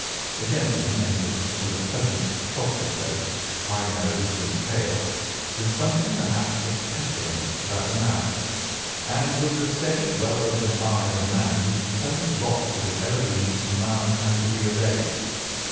A gentleman entered, with a pleasant, cultured face, high nosed and pale, with something perhaps of petulance about the mouth, and with the steady, well opened eye of a man whose pleasant lot it had ever been to command and to be obeyed.